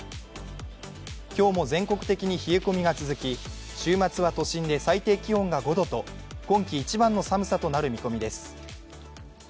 今日も全国的に冷え込みが続き週末は都心で最低気温が５度と今季一番の寒さとなる見込みです。